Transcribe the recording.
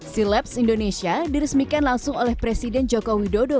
silaps indonesia diresmikan langsung oleh presiden joko widodo